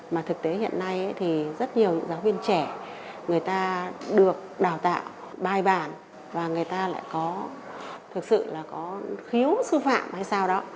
mà thực tế hiện nay thì rất nhiều những giáo viên trẻ người ta được đào tạo bài bản và người ta lại có thực sự là có khiếu sư phạm hay sao đó